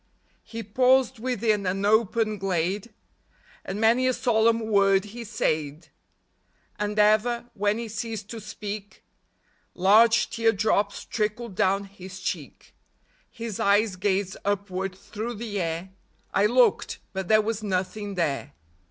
He paused within an open glade, And many a solemn word he said ; And ever, when he ceased to speak, Large tear drops trickled down his cheek. His eyes gazed upward through the air ; I looked, but there was nothing there.